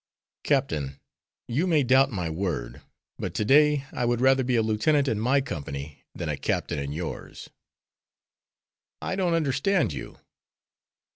"Captain, you may doubt my word, but to day I would rather be a lieutenant in my company than a captain in yours." "I don't understand you."